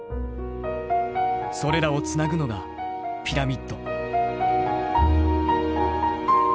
それらをつなぐのがピラミッド。